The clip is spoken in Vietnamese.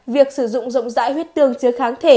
việc sử dụng rộng rãi huyết tương chứa kháng thể